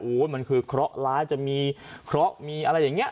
มันคือเคราะห์ร้ายจะมีเคราะห์มีอะไรอย่างนี้